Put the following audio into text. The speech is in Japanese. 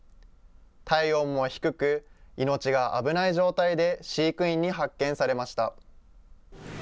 体温も低く、命が危ない状態で飼育員に発見されました。